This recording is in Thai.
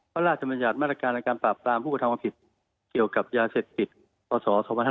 พระราชบัญญัติมาตรการในการปราบปรามผู้กระทำความผิดเกี่ยวกับยาเสพติดพศ๒๕๕๙